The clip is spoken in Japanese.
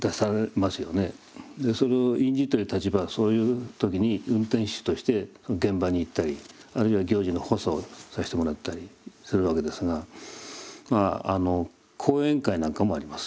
それを隠侍という立場はそういう時に運転手として現場に行ったりあるいは行事の補佐をさせてもらったりするわけですがまああの講演会なんかもあります。